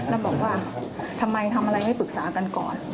แล้วบอกว่าทำไมทำอะไรไม่ปรึกษากันก่อน